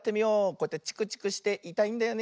こうやってチクチクしていたいんだよね。